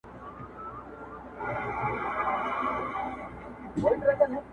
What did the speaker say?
زما يو غم نه دی چي هېر يې کړمه ورک يې کړمه